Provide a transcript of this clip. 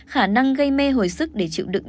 khả năng gây mê hồi sức để chịu đựng